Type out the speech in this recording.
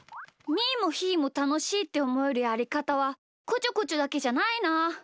ーもひーもたのしいっておもえるやりかたはこちょこちょだけじゃないな。